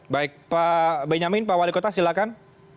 baik pak benyamin pak wali kota silakan